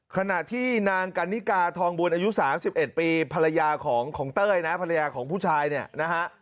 ขณะที่นางกันนิกาทองบุญอายุ๓๑ปีภรรยาของเต้ยนะภรรยาของผู้ชายเนี่ยนะฮะ